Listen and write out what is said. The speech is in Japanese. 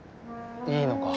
いいのか？